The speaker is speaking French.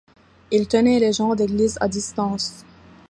Il tenait les gens d’église à distance.